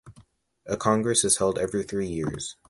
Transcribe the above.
A congress is held every three years.